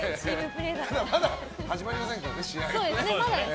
まだ始まりませんから、試合は。